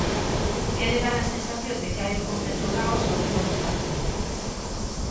Quere dar a sensación de que hai un completo caos ao redor do Camiño.